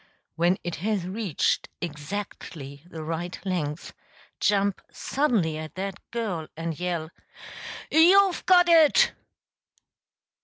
When it has reached exactly the right length, jump suddenly at that girl and yell, "You've got it!")